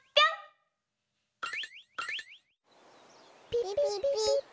ピピピピ。